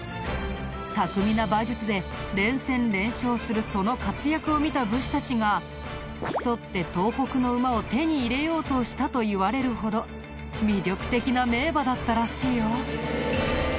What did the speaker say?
巧みな馬術で連戦連勝するその活躍を見た武士たちが競って東北の馬を手に入れようとしたといわれるほど魅力的な名馬だったらしいよ。